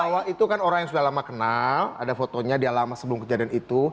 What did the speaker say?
sangat bahwa itu kan orang yang sudah lama kenal ada fotonya dia lama sebelum kejadian itu